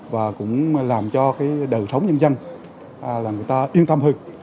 và cũng làm cho đời sống nhân dân yên tâm hơn